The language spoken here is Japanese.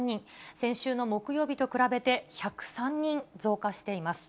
先週の木曜日と比べて、１０３人増加しています。